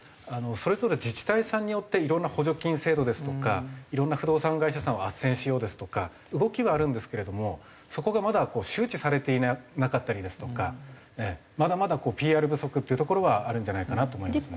それぞれ自治体さんによっていろんな補助金制度ですとかいろんな不動産会社さんをあっせんしようですとか動きはあるんですけれどもそこがまだ周知されていなかったりですとかまだまだＰＲ不足っていうところはあるんじゃないかなと思いますね。